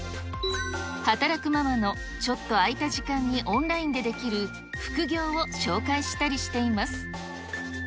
働くママのちょっと空いた時間にオンラインでできる副業を紹介したりしています。